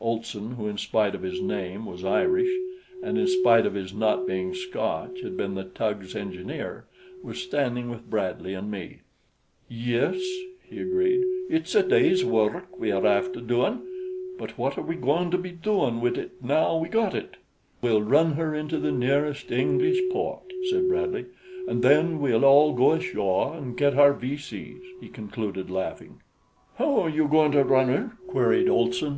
Olson who in spite of his name was Irish, and in spite of his not being Scotch had been the tug's engineer was standing with Bradley and me. "Yis," he agreed, "it's a day's wor rk we're after doin', but what are we goin' to be doin' wid it now we got it?" "We'll run her into the nearest English port," said Bradley, "and then we'll all go ashore and get our V. C.'s," he concluded, laughing. "How you goin' to run her?" queried Olson.